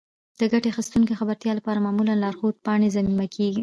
د ګټې اخیستونکو د خبرتیا لپاره معمولا لارښود پاڼې ضمیمه کیږي.